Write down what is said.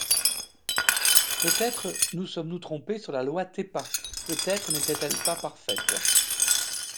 Peut-être nous sommes-nous trompés sur la loi TEPA, peut-être n’était-elle pas parfaite.